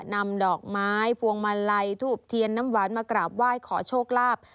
นำดอกไม้พวงมาลัยทูบเทียนน้ำหวานมากราบไหว้ขอโชคลาภ